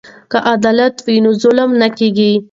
که عدالت وي نو ظلم نه کیږي.